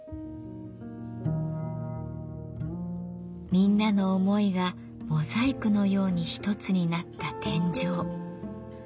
みんなの思いがモザイクのように一つになった天井。